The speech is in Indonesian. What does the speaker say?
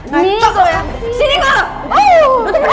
tuh tuh ya sini gua